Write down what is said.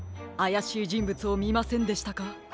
あやしいじんぶつをみませんでしたか？